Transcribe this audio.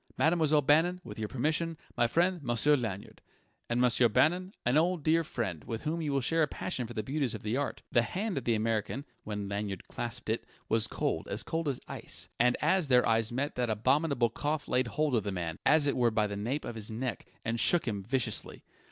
Mademoiselle Bannon with your permission my friend, Monsieur Lanyard. And Monsieur Bannon an old, dear friend, with whom you will share a passion for the beauties of art." The hand of the American, when Lanyard clasped it, was cold, as cold as ice; and as their eyes met that abominable cough laid hold of the man, as it were by the nape of his neck, and shook him viciously.